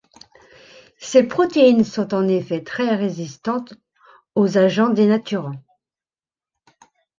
Ces protéines sont en effet très résistantes aux agents dénaturants.